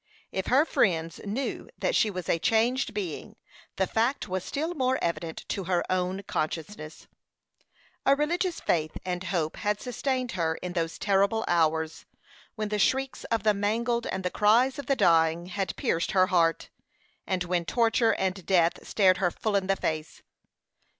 If her friends knew that she was a changed being, the fact was still more evident to her own consciousness. A religious faith and hope had sustained her in those terrible hours, when the shrieks of the mangled and the cries of the dying had pierced her heart, and when torture and death stared her full in the face.